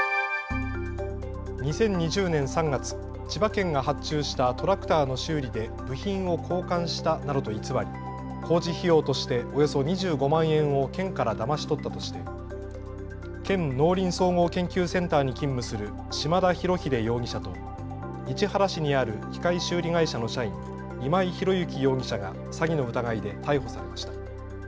２０２０年３月、千葉県が発注したトラクターの修理で部品を交換したなどと偽り工事費用としておよそ２５万円を県からだまし取ったとして県農林総合研究センターに勤務する嶋田博英容疑者と市原市にある機械修理会社の社員、今井博幸容疑者が詐欺の疑いで逮捕されました。